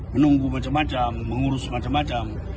menunggu macam macam mengurus macam macam